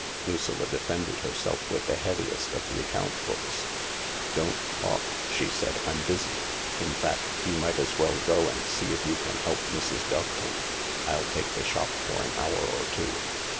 Lucilla defended herself with the heaviest of the account books. " Don't talk," she said. " I'm busy. In fact you might as well go and see if you can help Mrs. Doveton. I'll take the shop for an hour or two."